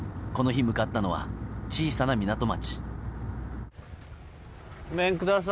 この日、向かったのは小さな港町。